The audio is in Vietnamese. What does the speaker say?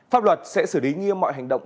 pháp luật sẽ xử lý như mọi hành động